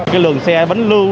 cái lượng xe vẫn lưu